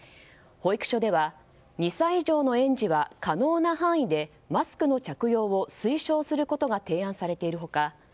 保育所では２歳以上の園児は可能な範囲でマスクの着用を推奨することが提案されている他